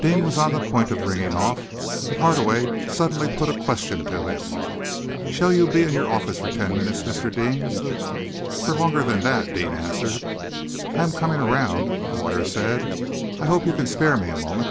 Deane was on the point of ringing off, but Hardaway suddenly put a question to him. "Shall you be in your office for ten minutes, Mr. Deane?" "For longer than that," Deane answered. "I am coming around," the lawyer said. "I hope you can spare me a moment."